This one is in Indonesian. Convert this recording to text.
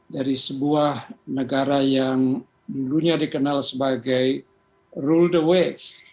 dari sebuah negara yang dulunya dikenal sebagai rule the wave